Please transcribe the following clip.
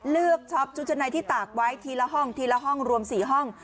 ช็อปชุดชั้นในที่ตากไว้ทีละห้องทีละห้องรวม๔ห้อง